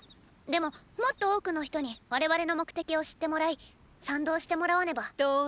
でももっと多くの人に我々の目的を知ってもらい賛同してもらわねばーー。